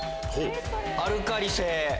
アルカリ性。